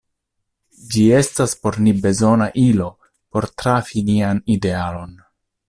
Ĝi estas por ni bezona ilo por trafi nian idealon.